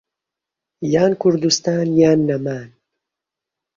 یان کوردستان یان نەمان.